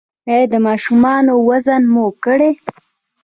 ایا د ماشومانو وزن مو کړی؟